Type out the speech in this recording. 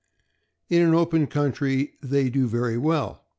In an open country they do very well.